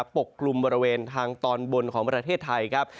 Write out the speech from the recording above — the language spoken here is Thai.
กลุ่มบริเวณทางตอนบนของประเทศไทยครับ